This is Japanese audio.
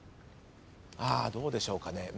あどうでしょうかね。